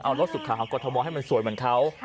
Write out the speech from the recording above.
เอารถสุขขาของกรทมให้มันสวยเหมือนเขา